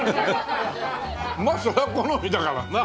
まあそれは好みだからな。